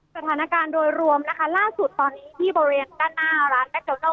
สถานการณ์โดยรวมนะคะล่าสุดตอนนี้ที่โบเรนด้านหน้าร้านแบ็คเจ้าโน้ม